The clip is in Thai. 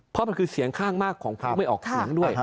เพราะมันคือเสียงข้างมากของผู้ไม่ออกเสียงด้วย